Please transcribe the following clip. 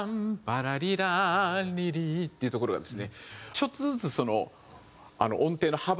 「パラリランリリー」っていうところがですねちょっとずつ音程の幅がですね